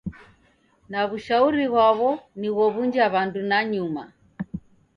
Na w'ushauri ghwaw'o ni ghow'unja w'andu nanyuma.